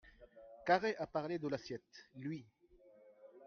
Carré a parlé de l’assiette, lui.